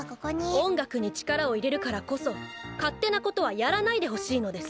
音楽に力を入れるからこそ勝手なことはやらないでほしいのです。